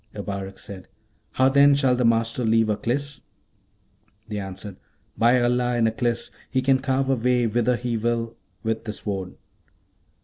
Abarak said, 'How then shall the Master leave Aklis?' They answered, 'By Allah in Aklis! he can carve a way whither he will with the Sword.'